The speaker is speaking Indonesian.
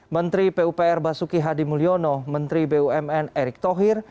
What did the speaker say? menteri pupr basuki hadi mulyono menteri bumn erick thohir